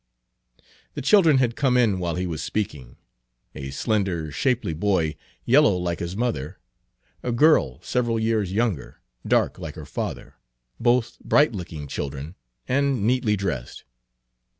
The children had come in while he was speaking, a slender, shapely boy, yellow like his mother, a girl several years younger, dark like her father: both bright looking children and neatly dressed.